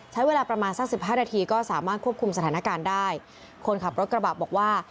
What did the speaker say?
ใช้เวลาประมาณสักสิบห้านาทีก็สามารถควบคุมสถานการณ์ได้คนขับรถกระบะบอกว่า